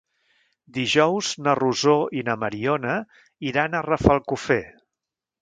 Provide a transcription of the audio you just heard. Dijous na Rosó i na Mariona iran a Rafelcofer.